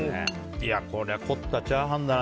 これは凝ったチャーハンだな。